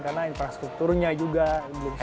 karena infrastrukturnya juga belum siap